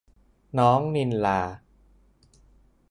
น้องณิลลา